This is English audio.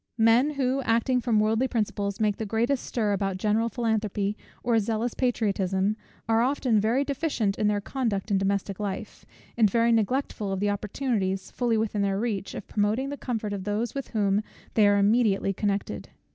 Men who, acting from worldly principles, make the greatest stir about general philanthropy or zealous patriotism, are often very deficient in their conduct in domestic life; and very neglectful of the opportunities, fully within their reach, of promoting the comfort of those with whom they are immediately connected.